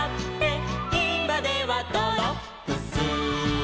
「いまではドロップス」